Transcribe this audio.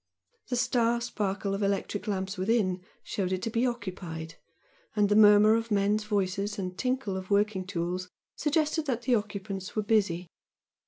The star sparkle of electric lamps within showed it to be occupied and the murmur of men's voices and tinkle of working tools suggested that the occupants were busy.